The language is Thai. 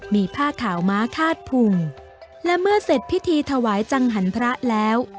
มีผ้าขาวม้าคาดพุงและเมื่อเสร็จพิธีถวายจังหันพระแล้ว